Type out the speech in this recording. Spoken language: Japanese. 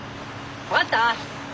分かった？